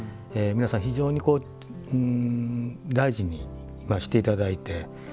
皆さん非常に大事にしていただいて。